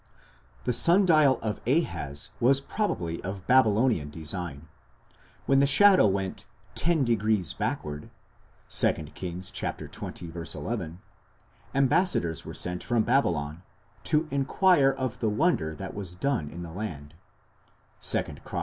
" The sundial of Ahaz was probably of Babylonian design. When the shadow went "ten degrees backward" (2 Kings, xx, II) ambassadors were sent from Babylon "to enquire of the wonder that was done in the land" (_2 Chron.